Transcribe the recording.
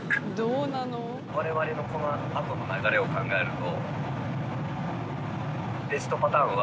我々のこの後の流れを考えると。